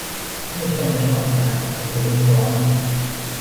ไม่ใช่ไม่ชอบนะ แต่กูไม่พร้อม